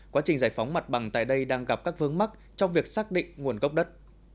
quá trình giải phóng mặt bằng tại đây đang gặp các vướng mắt trong việc xác định nguồn gốc đất